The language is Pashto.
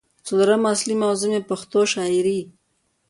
څلورمه اصلي موضوع مې پښتو شاعرۍ